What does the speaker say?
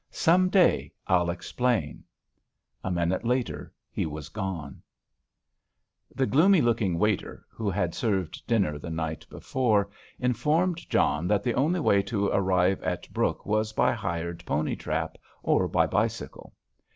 "Some day I'll explain." A minute later he was gone. The gloomy looking waiter, who had served dinner the night before, informed John that the only way to arrive at Brooke was by hired pony trap or by bicycle.